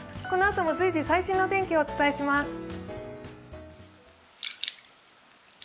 このあとも随時、最新のお天気をお伝えします。